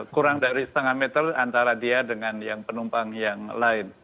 kurang dari setengah meter antara dia dengan yang penumpang yang lain